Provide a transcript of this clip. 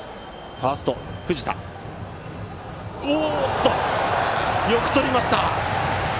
ファーストの藤田がよくとりました。